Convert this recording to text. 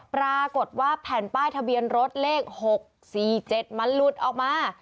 ปรากฏว่าแผ่นป้ายทะเบียนรถเลข๖๔๗มันหลุดออกมา